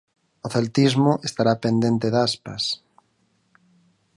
O celtismo estará pendente de Aspas.